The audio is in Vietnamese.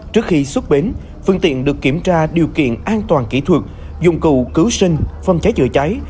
trước khi xuất bến phương tiện được kiểm tra điều kiện an toàn kỹ thuật dụng cụ cứu sinh phòng cháy chữa cháy